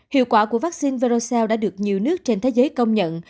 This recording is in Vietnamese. hiệu quả của vaccine veroxelle đã được nhiều nước trên thế giới công nhận